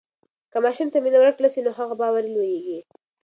که ماشوم ته مینه ورکړل سي نو هغه باوري لویېږي.